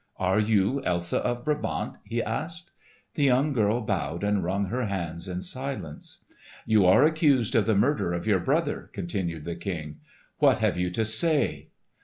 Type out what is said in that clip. "Are you Elsa of Brabant?" he asked. The young girl bowed and wrung her hands in silence. "You are accused of the murder of your brother," continued the King. "What have you to say?"